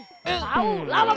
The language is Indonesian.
tahu lama banget